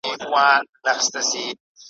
کله له واورو او له یخنیو `